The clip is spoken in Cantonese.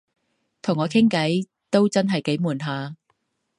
同我傾偈都真係幾悶下